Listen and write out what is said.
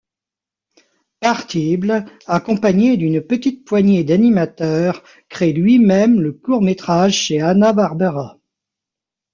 Partible, accompagné d'une petite poignée d'animateurs, crée lui-même le court-métrage chez Hanna-Barbera.